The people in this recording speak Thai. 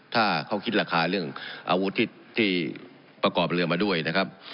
ถ้าเขาคิดราคาเรื่องอาวุธที่ประกอบเรือมาด้วยนะครับ